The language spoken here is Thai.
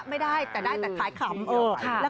ไม่ได้แต่ได้แต่ขายขำ